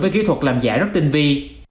với kỹ thuật làm giả rất tinh vi